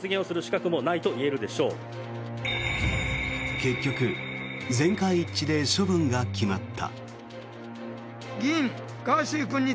結局、全会一致で処分が決まった。